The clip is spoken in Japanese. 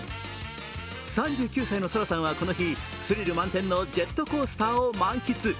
３９歳のサラさんはこの日、スリル満点のジェットコースターを満喫。